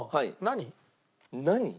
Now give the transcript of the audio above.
「何」？